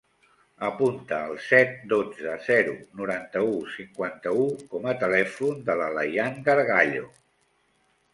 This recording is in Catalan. Apunta el set, dotze, zero, noranta-u, cinquanta-u com a telèfon de la Layan Gargallo.